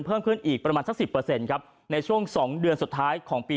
เพิ่มขึ้นอีกประมาณสักสิบเปอร์เซ็นต์ครับในช่วงสองเดือนสุดท้ายของปี